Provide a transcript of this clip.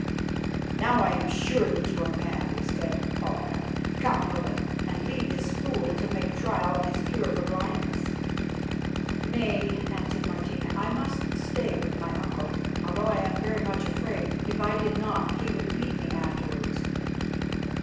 "Now I am sure that you are mad," exclaimed Palka. "Come, Hilda, and leave this fool to make trial of his cure for blindness." "Nay," answered Martina, "I must stay with my uncle, although I am very much afraid. If I did not, he would beat me afterwards."